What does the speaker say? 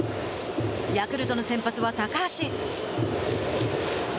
ヤクルトの先発は高橋。